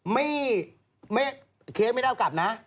ไม่เค้กไม่ได้เอากลับนะ